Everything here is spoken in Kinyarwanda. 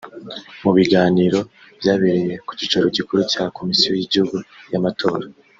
Mu biganiro byabereye ku cyicaro gikuru cya Komisiyo y’Igihugu y’Amatora